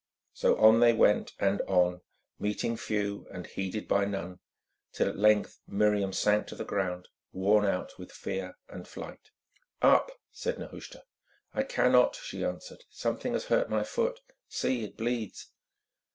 So on they went, and on, meeting few and heeded by none, till at length Miriam sank to the ground, worn out with fear and flight. "Up," said Nehushta. "I cannot," she answered. "Something has hurt my foot. See, it bleeds!"